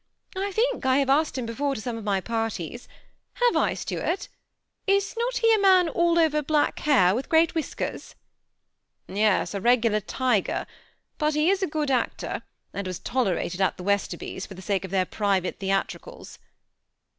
I think I have asked him before to some of my parties. Have I, Stuart? Is not he a man all over black hair, with great whiskers?" '* Yes, a regular tiger ; but he is a good actor, and was tolerated at the Westerbys, for the sake of their private theatricals."